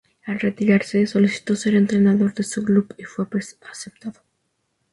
Al retirarse solicitó ser entrenador de su club y fue aceptado.